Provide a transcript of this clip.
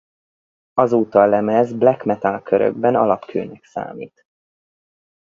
Azóta a lemez black metal körökben alapkőnek számít.